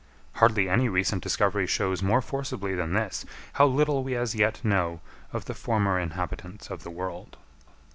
Hardly any recent discovery shows more forcibly than this how little we as yet know of the former inhabitants of the world.